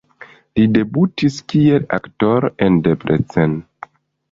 Li debutis kiel aktoro en Debrecen.